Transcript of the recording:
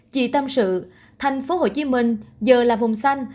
chị tâm sự thành phố hồ chí minh giờ là vùng xanh